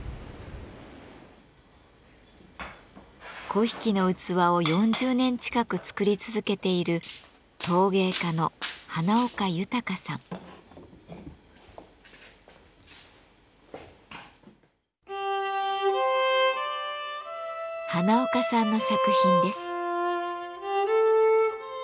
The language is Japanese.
粉引の器を４０年近く作り続けている花岡さんの作品です。